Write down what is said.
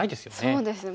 そうですね。